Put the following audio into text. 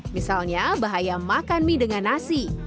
misalnya bahaya makan mie dengan nasi